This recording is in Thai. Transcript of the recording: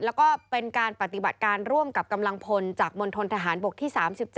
แล้วก็เป็นการปฏิบัติการร่วมกับกำลังพลจากมณฑนทหารบกที่๓๗